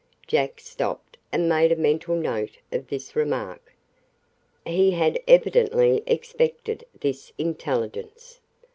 Jack stopped and made a mental note of this remark. He had evidently expected this intelligence.